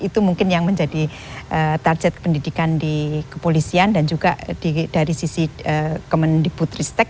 itu mungkin yang menjadi target pendidikan di kepolisian dan juga dari sisi kemendikbud ristek